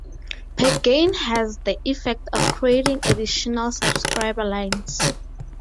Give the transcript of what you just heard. Pair gain has the effect of creating additional subscriber lines.